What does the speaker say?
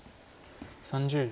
３０秒。